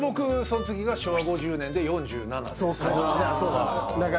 その次が昭和５０年で４７です